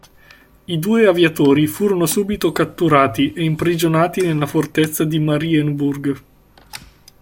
I due aviatori furono subito catturati e imprigionati nella fortezza di Marienburg.